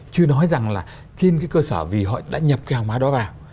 chưa nói rằng là trên cái cơ sở vì họ đã nhập cái hàng hóa đó vào